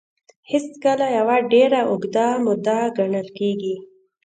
هېڅکله يوه ډېره اوږده موده ګڼل کېږي.